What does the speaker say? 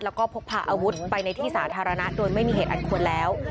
แล้วก็พกพาอาวุธไปในที่สาธารณะโดยไม่มีเหตุอันควรแล้ว